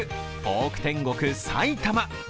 ポーク天国・埼玉。